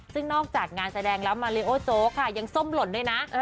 ซึ่งนอกจากงานแสดงแล้วมาริโอโจ๊กค่ะยังส้มหล่นด้วยนะ